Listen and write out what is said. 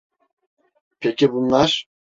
Peki bunlar?